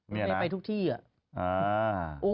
เมย์ไปทุกที่อ่ะ